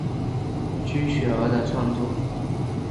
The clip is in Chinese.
区雪儿的创作。